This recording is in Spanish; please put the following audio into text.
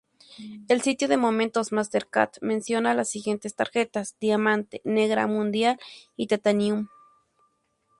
El sitio de momentos Mastercard menciona las siguientes tarjetas: Diamante, Negra, Mundial y Titanium.